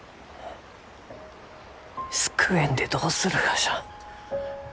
救えんでどうするがじゃ？